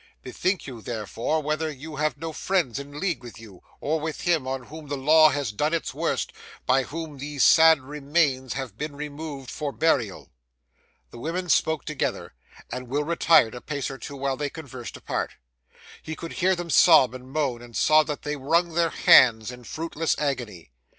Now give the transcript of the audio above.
Bethink you, therefore, whether you have no friends in league with you or with him on whom the law has done its worst, by whom these sad remains have been removed for burial.' The women spoke together, and Will retired a pace or two while they conversed apart. He could hear them sob and moan, and saw that they wrung their hands in fruitless agony.